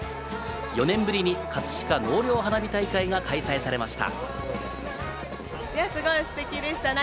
４年ぶりに葛飾納涼花火大会が開催されました。